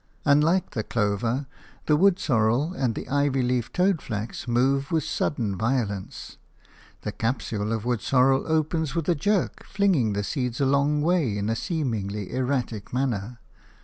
Unlike the clover, the wood sorrel and the ivy leaved toadflax move with sudden violence. The capsule of wood sorrel opens with a jerk, flinging the seeds a long way in a seemingly erratic manner.